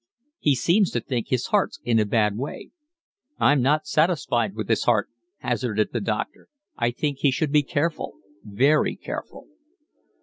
"He seems to think his heart's in a bad way." "I'm not satisfied with his heart," hazarded the doctor, "I think he should be careful, very careful."